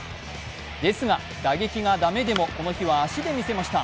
ですが、打撃が駄目でも、この日は足で見せました。